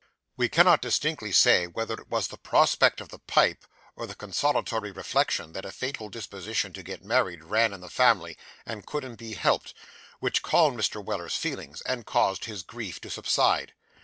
We cannot distinctly say whether it was the prospect of the pipe, or the consolatory reflection that a fatal disposition to get married ran in the family, and couldn't be helped, which calmed Mr. Weller's feelings, and caused his grief to subside.